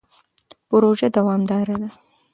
پروژه دوامداره ده.